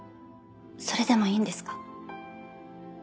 それでもいいんですか？